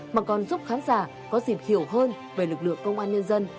mà còn giúp khán giả có dịp hiểu hơn về lực lượng công an nhân dân